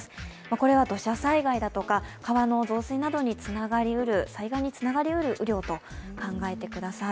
これは土砂災害だとか川の増水などの災害につながりうる雨量だと考えてください。